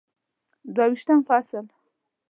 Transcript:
دوه ویشتم فصل